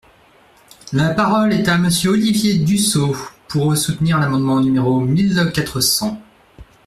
La parole est à Monsieur Olivier Dussopt, pour soutenir l’amendement numéro mille quatre cents.